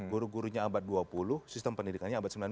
guru gurunya abad dua puluh sistem pendidikannya abad sembilan belas